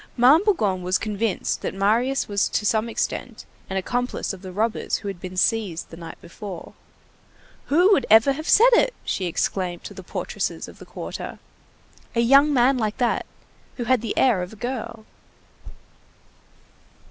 Ma'am Bougon was convinced that Marius was to some extent an accomplice of the robbers who had been seized the night before. "Who would ever have said it?" she exclaimed to the portresses of the quarter, "a young man like that, who had the air of a girl!"